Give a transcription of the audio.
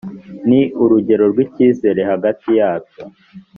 ni urugero rw’ikizere hagati yabyo